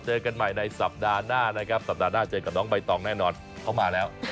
เจอกันใหม่ในสัปดาห์หน้านะครับสัปดาห์หน้าเจอกับน้องใบตองแน่นอนเขามาแล้ว